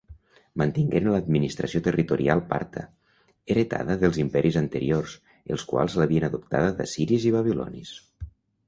Mantingueren l'administració territorial parta, heretada dels imperis anteriors, els quals l'havien adoptada d'assiris i babilonis.